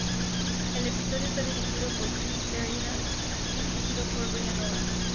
El episodio está dirigido por Chris Sheridan y dirigido por Brian Hogan.